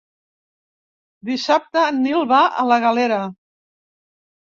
Dissabte en Nil va a la Galera.